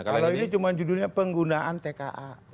kalau ini cuma judulnya penggunaan tka